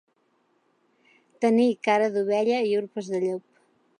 Tenir cara d'ovella i urpes de llop.